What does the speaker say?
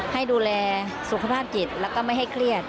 ให้ดูแลสุขภาพจิตแล้วก็ไม่ให้เครียด